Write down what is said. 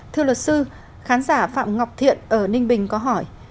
thưa luật sư khán giả phạm ngọc thiện ở ninh bình có hỏi